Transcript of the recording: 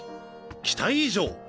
期待以上！